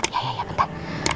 ya ya ya bentar